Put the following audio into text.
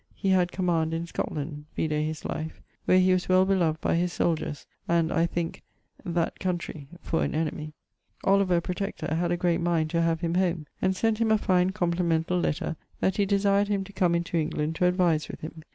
he had command in Scotland (vide his life), where he was well beloved by his soldiers, and, I thinke, that country (for an enemie). Oliver, Protector, had a great mind to have him home, and sent him a fine complementall letter, that he desired to come into England to advise with him.